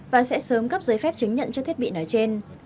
và sẽ sớm cấp giấy phép chứng nhận cho thiết bị nói trên